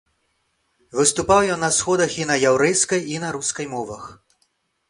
Выступаў ён на сходах і на яўрэйскай і на рускай мовах.